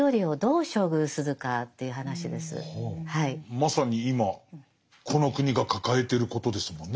まさに今この国が抱えてることですもんね。